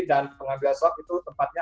dan pengambilan swab itu tempatnya